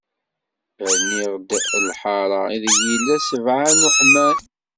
Rniɣ-d lḥara, i deg yella sbeɛ n uḥeman.